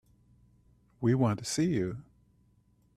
We want to see you.